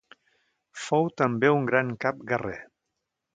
Fou també un gran cap guerrer.